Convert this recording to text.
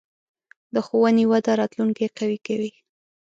د ښوونې وده راتلونکې قوي کوي.